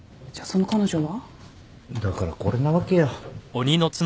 だからこれなわけよ。